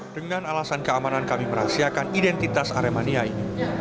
dengan alasan keamanan kami merahasiakan identitas aremania ini